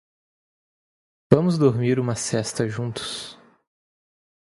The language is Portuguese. Vamos dormir uma sesta juntos